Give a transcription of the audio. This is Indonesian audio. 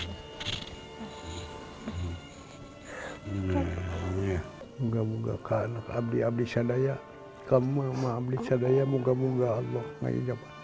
semoga anak anak abdi abdi syadaya kamu sama abdi syadaya semoga allah mengijabkan